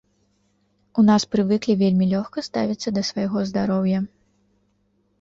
У нас прывыклі вельмі лёгка ставіцца да свайго здароўя.